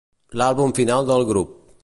L'àlbum final del grup.